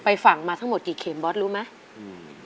ฝั่งมาทั้งหมดกี่เข็มบอสรู้ไหมอืม